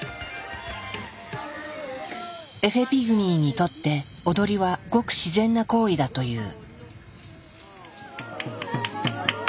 エフェ・ピグミーにとって踊りはごく自然な行為だという。